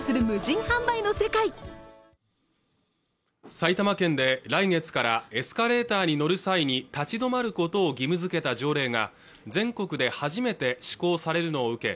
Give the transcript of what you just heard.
埼玉県で来月からエスカレーターに乗る際に立ち止まることを義務づけた条例が全国で初めて施行されるのを受け